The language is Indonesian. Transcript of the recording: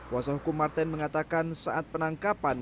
wasahukum martendiratome mengatakan saat penangkapan